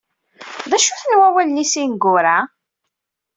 D acu-ten wawlen-is ineggura?